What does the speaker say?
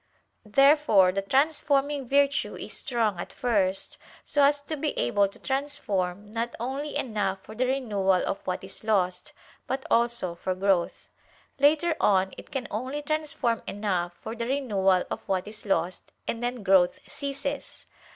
Therefore the transforming virtue is strong at first so as to be able to transform not only enough for the renewal of what is lost, but also for growth. Later on it can only transform enough for the renewal of what is lost, and then growth ceases.